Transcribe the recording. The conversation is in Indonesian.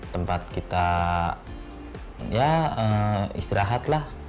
tempat kita ya istirahat lah